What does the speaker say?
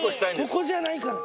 ここじゃないから。